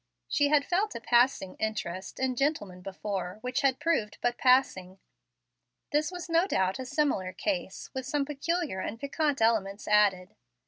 She had felt a passing interest in gentlemen before, which had proved but passing. This was no doubt a similar case, with some peculiar and piquant elements added.